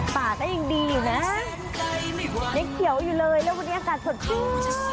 ป่าก็ยังดีอยู่นะยังเขียวอยู่เลยแล้ววันนี้อากาศสดชื่น